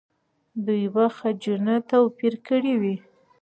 دوی به خجونه توپیر کړي وي.